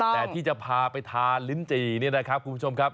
แต่ที่จะพาไปทานลิ้นจี่นี่นะครับคุณผู้ชมครับ